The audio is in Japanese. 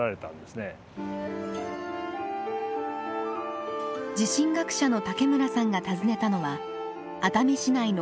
地震学者の武村さんが訪ねたのは熱海市内の温泉寺。